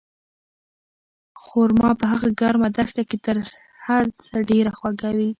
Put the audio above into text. خورما په هغه ګرمه دښته کې تر هر څه ډېره خوږه وه.